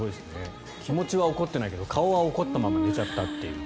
気持ちは怒ってないけど顔は怒ったまま寝ちゃったという。